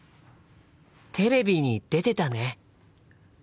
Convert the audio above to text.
テレビに出てたね。